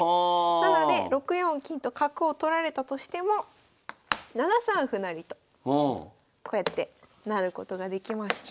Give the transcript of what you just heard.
なので６四金と角を取られたとしても７三歩成とこうやって成ることができまして。